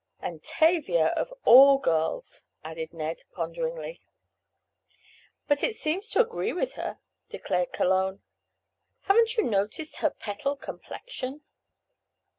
"And Tavia of all girls," added Ned, ponderingly. "But it seems to agree with her," declared Cologne. "Haven't you noticed her petal complexion?"